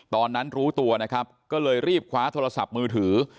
ตอนนั้นรู้ตัวนะครับก็เลยรีบคว้าโทรศัพท์มือถือ